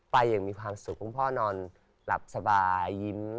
อย่างมีความสุขคุณพ่อนอนหลับสบายยิ้ม